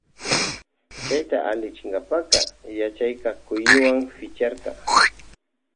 Chayta allichinkapa yachakka cuywan picharka.